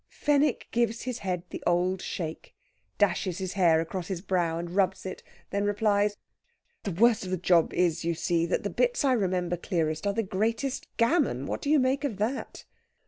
Fenwick gives his head the old shake, dashes his hair across his brow and rubs it, then replies: "The worst of the job is, you see, that the bits I remember clearest are the greatest gammon. What do you make of that?"